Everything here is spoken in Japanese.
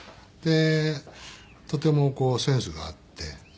でとてもセンスがあって。